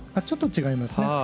ちょっと違いますね。